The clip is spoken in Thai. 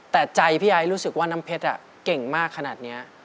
แต่ใจพี่ไอ้รู้สึกว่าน้ำเพชรเก่งมากขนาดนี้